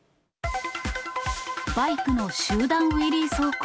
バイクの集団ウィリー走行。